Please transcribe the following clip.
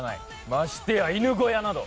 ましてや犬小屋など。